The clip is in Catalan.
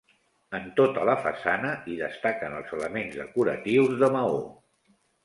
En tota la façana hi destaquen els elements decoratius de maó.